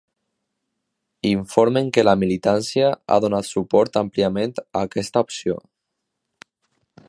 Informen que la militància ha donat suport àmpliament a aquesta opció.